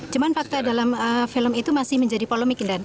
cuman fakta dalam film itu masih menjadi polemik dan